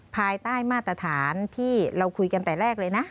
ภายใต้มาตรฐานที่เราคุยกันแต่แรกเลยนะ